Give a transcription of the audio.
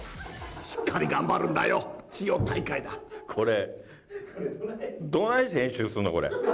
しっかり頑張るんだよ、千代大海これ、どないして編集すんの、これ。